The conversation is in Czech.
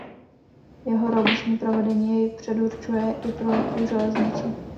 Jeho robustní provedení jej předurčuje i pro lehkou železnici.